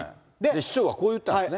市長がこう言ったんですね。